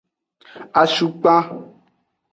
Acukpan.